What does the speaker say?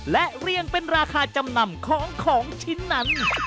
และเรียงเป็นราคาจำนำของของชิ้นนั้น